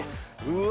うわ。